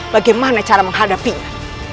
bagaimana cara menghadapinya